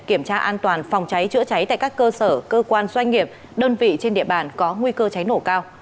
kiểm tra an toàn phòng cháy chữa cháy tại các cơ sở cơ quan doanh nghiệp đơn vị trên địa bàn có nguy cơ cháy nổ cao